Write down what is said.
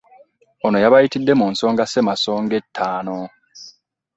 Ono yabayitidde mu nsonga Ssemasonga ettaano